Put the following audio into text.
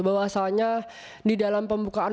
bahwasannya di dalam pembukaan